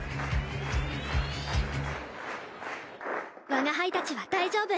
我が輩たちは大丈夫。